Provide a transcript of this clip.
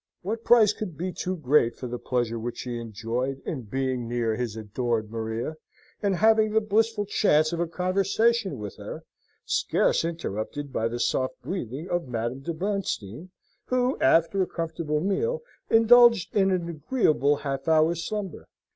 What price could be too great for the pleasure which he enjoyed in being near his adored Maria, and having the blissful chance of a conversation with her, scarce interrupted by the soft breathing of Madame de Bernstein, who, after a comfortable meal, indulged in an agreeable half hour's slumber?